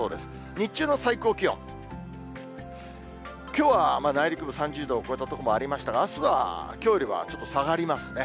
日中の最高気温、きょうは内陸部３０度を超えた所もありましたが、あすはきょうよりはちょっと下がりますね。